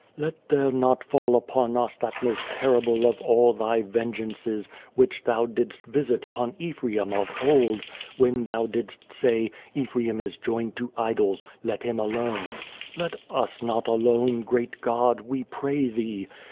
"Let there not fall upon us that most terrible of all Thy vengeances which Thou didst visit upon Ephraim of old, when Thou didst say, ' Ephraim is joined to idols : let him alone !' Let us not alone, great God, we pray Thee.